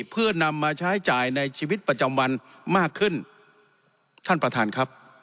เพื่อนำมาใช้จ่ายในชีวิตประจำวันมากขึ้นท่านประธานครับ